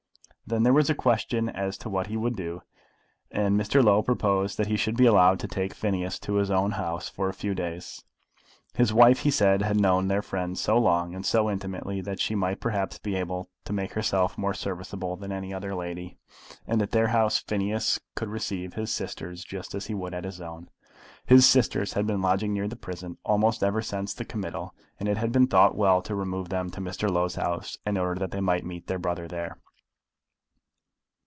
Then there was a question asked as to what he would do, and Mr. Low proposed that he should be allowed to take Phineas to his own house for a few days. His wife, he said, had known their friend so long and so intimately that she might perhaps be able to make herself more serviceable than any other lady, and at their house Phineas could receive his sisters just as he would at his own. His sisters had been lodging near the prison almost ever since the committal, and it had been thought well to remove them to Mr. Low's house in order that they might meet their brother there.